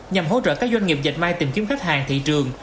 nhằm hỗ trợ các doanh nghiệp dệt may tìm kiếm khách hàng thị trường